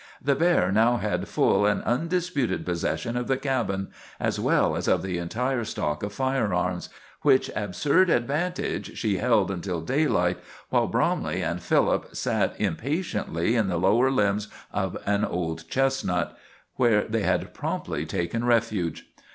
The bear now had full and undisputed possession of the cabin, as well as of the entire stock of firearms, which absurd advantage she held until daylight, while Bromley and Philip sat impatiently in the lower limbs of an old chestnut, where they had promptly taken refuge.